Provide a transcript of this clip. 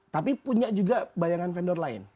tapi punya juga bayangan vendor lain